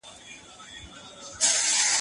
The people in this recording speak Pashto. هغوی د عادت له مخې ځان عقیده مند ښیي.